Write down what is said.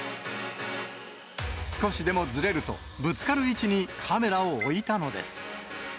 少しでもずれるとぶつかる位置にカメラを置いたのです。